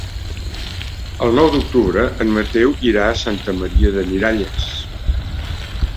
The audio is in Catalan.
El nou d'octubre en Mateu irà a Santa Maria de Miralles.